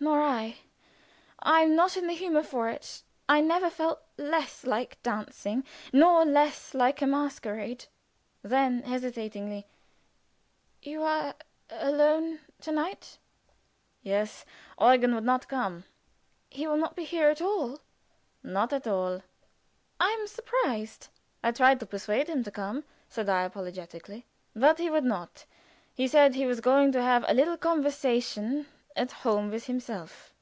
"Nor I I am not in the humor for it. I never felt less like dancing, nor less like a masquerade." Then hesitatingly "Are you alone to night?" "Yes. Eugen would not come." "He will not be here at all?" "Not at all?" "I am surprised." "I tried to persuade him to come," said I, apologetically. "But he would not. He said he was going to have a little conversation at home with himself."